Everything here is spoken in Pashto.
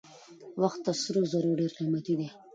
وخت تر سرو زرو ډېر قیمتي دی.